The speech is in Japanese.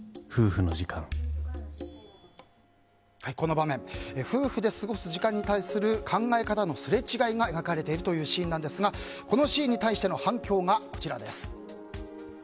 この場面夫婦で過ごす時間に対する考え方のすれ違いが描かれているというシーンですがこのシーンに対しての反響がこちらです。